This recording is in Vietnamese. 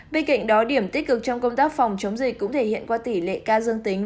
bên cạnh đó điểm tích cực trong công tác phòng chống dịch cũng thể hiện qua tỷ lệ ca dương tính